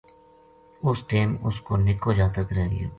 اس ٹیم اس کو نِکو جاتک رہ گیو